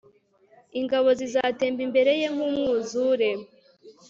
ingabo zizatemba imbere ye nk umwuzure